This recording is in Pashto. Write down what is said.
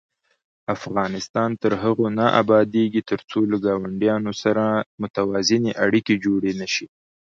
افغانستان تر هغو نه ابادیږي، ترڅو له ګاونډیانو سره متوازنې اړیکې جوړې نشي.